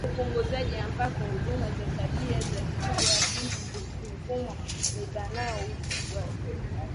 Ufugaji ambako huduma za tiba ya mifugo ni adimu Mifumo mipana ya ufugaji